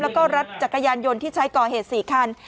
แล้วก็รถจักรยานยนต์ที่ใช้ก่อเหตุ๔คัน